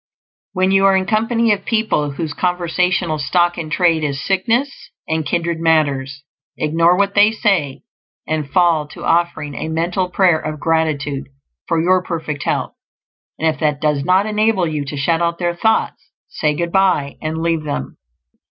When you are in company of people whose conversational stock in trade is sickness and kindred matters, ignore what they say and fall to offering a mental prayer of gratitude for your perfect health; and if that does not enable you to shut out their thoughts, say good by and leave them.